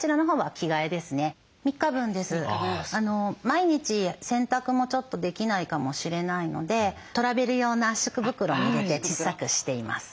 毎日洗濯もちょっとできないかもしれないのでトラベル用の圧縮袋に入れて小さくしています。